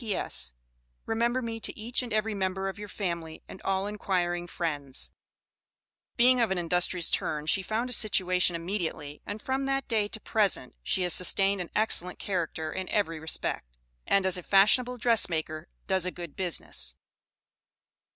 P.S. Remember me to each, and every member of your familly and all Enquiring Friends. Being of an industrious turn she found a situation immediately, and from that day to the present, she has sustained an excellent character in every respect, and as a fashionable dressmaker does a good business.